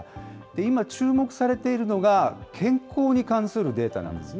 今、注目されているのが、健康に関するデータなんですね。